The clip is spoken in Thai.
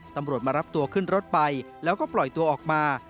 ตำรวจมารับตัวขึ้นรถไปแล้วก็ปล่อยตัวออกมา